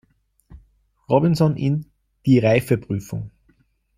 Robinson in "Die Reifeprüfung".